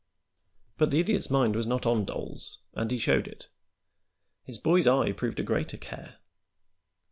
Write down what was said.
But the Idiot's mind was not on dolls, and he showed it. His boy's eye proved a greater care.